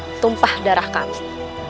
dan mampah darah kami